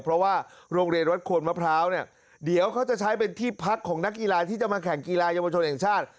เพราะว่าโรงเรียนวัดขวนมะพร้าวเนี่ยเดี๋ยวเขาจะใช้เป็นที่พักของนักกีฬาที่จะมาแข่งกีฬาเยาวชนแห่งชาติ